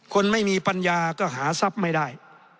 คนไม่มีปัญญาก็หาทรัพย์ไม่ได้